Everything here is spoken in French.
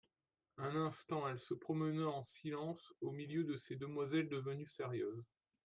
Un instant, elle se promena en silence, au milieu de ces demoiselles devenues sérieuses.